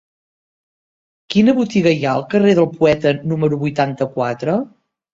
Quina botiga hi ha al carrer del Poeta número vuitanta-quatre?